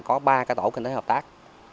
có ba cái tổ kinh tế hợp tác